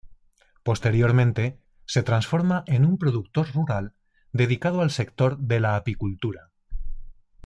Posteriormente se transforma en un productor rural dedicado al sector de la apicultura.